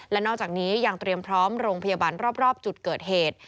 และนอกจากนี้ยังเตรียมพร้อมโรงพยาบาลรอบจุดเกิดเหตุ